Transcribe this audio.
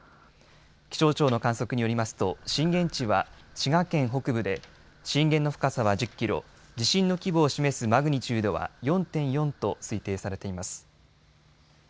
気象庁の観測によりますと震源地は滋賀県北部で震源の深さは１０キロ、地震の規模を示すマグニチュードは４．４と推定されています。